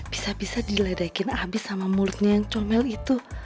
bisa bisa diledekin abis sama mulutnya yang comel itu